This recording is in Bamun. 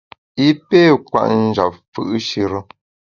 I pé kwet njap fù’shire.